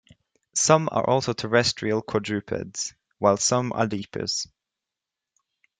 Some are also terrestrial quadrupeds, while some are leapers.